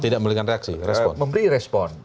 tidak memberikan reaksi membawa respon